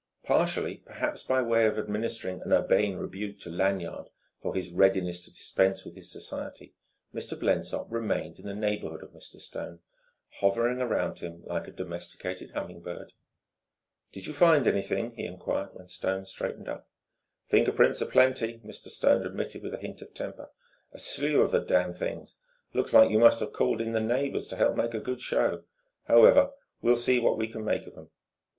Partially, perhaps, by way of administering an urbane rebuke to Lanyard for his readiness to dispense with his society, Mr. Blensop remained in the neighbourhood of Mr. Stone, hovering round him like a domesticated humming bird. "Do you find anything?" he enquired, when Stone straightened up. "Fingerprints a plenty," Mr. Stone admitted with a hint of temper "a slew of the damn things. Looks like you must've called in the neighbours to help make a good show. However, we'll see what we can make of 'em."